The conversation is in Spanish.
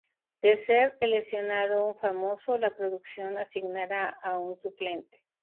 De ser el lesionado un famoso, la Producción asignará a un suplente.